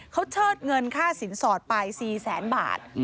เขาเชิดเงินค่าสินสอดไป๔แสนบาท